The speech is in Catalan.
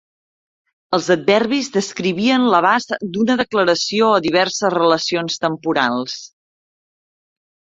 Els adverbis descrivien l'abast d'una declaració o diverses relacions temporals.